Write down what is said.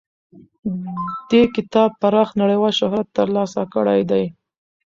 دې کتاب پراخ نړیوال شهرت ترلاسه کړی دی.